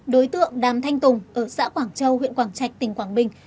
đối tượng đàm thanh tùng ở xã quảng châu huyện quảng trạch tỉnh quảng bình